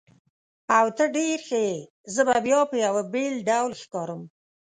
اوه، ته ډېر ښه یې، زه به بیا په یوه بېل ډول ښکارم.